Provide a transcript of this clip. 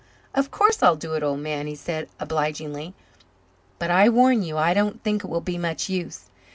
"Of course I'll do it, old man," he said obligingly. "But I warn you I don't think it will be much use.